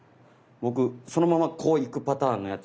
僕そのままこういくパターンのやつ